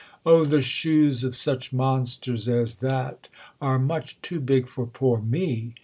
"Oh, the shoes of such monsters as that are much too big for poor me!"